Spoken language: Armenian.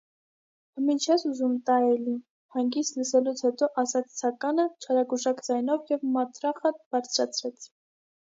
- Հըմի չես ուզում տա, է՜լի, - հանգիստ լսելուց հետո ասաց Ցականը չարագուշակ ձայնով և մաթրախը բարձրացրեց: